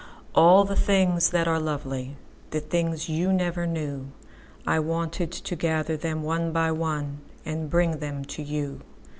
All the things that are lovely—The things you never knew—I wanted to gather them one by oneAnd bring them to you.